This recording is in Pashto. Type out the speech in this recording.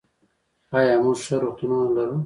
آیا موږ ښه روغتونونه لرو؟